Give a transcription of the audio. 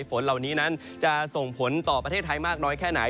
ฝนเหล่านี้นั้นจะส่งผลต่อประเทศไทยมากน้อยแค่ไหน